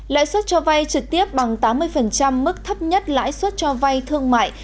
lãi suất cho vay trực tiếp bằng tám mươi mức thấp nhất lãi suất cho vay thương mại